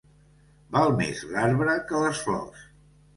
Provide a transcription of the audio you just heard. Val més l'arbre que les flors.